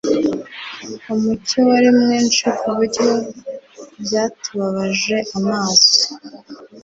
Umucyo wari mwinshi kuburyo byatubabaje amaso